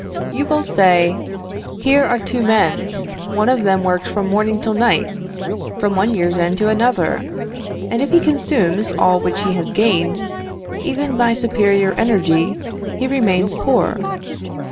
You will say, "Here are two men. One of them works from morning till night, from one year's end to another; and if he consumes all which he has gained, even by superior energy, he remains poor.